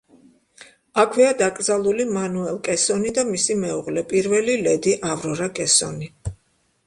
აქვეა დაკრძალული მანუელ კესონი და მისი მეუღლე, პირველი ლედი ავრორა კესონი.